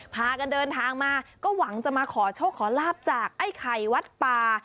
พากันเดินทางมาก็หวังจะมาขอโชคขอลาบจากไอ้ไข่วัดป่า